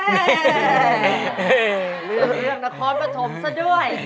เรื่องนครปฐมซะด้วย